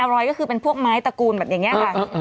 อรอยก็คือเป็นพวกไม้ตระกูลแบบอย่างนี้